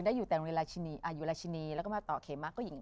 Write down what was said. เอ๊ะคือพ่อเจ้าชู้มาก